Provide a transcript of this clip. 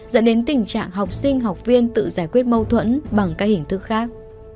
dẫn đến tình trạng học sinh học viên tự giải quyết mâu thuẫn bằng các hình thức khác